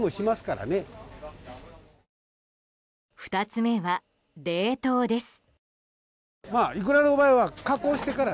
２つ目は冷凍です。